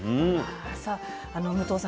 さあ武藤さん